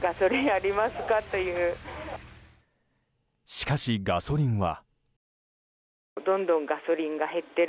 しかしガソリンは。